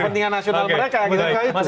kepentingan nasional mereka